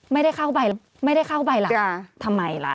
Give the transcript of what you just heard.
ไม่ได้เข้าไปไม่ได้เข้าไปล่ะทำไมล่ะ